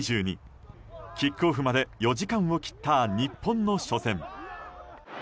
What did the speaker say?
キックオフまで４時間を切った日本の初戦。